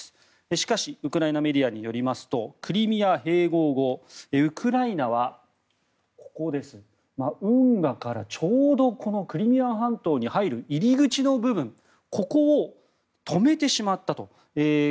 しかしウクライナメディアによりますとクリミア併合後、ウクライナは運河からちょうどクリミア半島に入る入り口の部分ここを止めてしまったと。